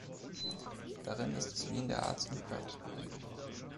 Darin ist es wie in der Arts and Crafts-Bewegung.